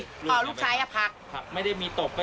บอกอ่าวมันยังไงกันนี้มันคนเรามองกันไม่ได้หรือไง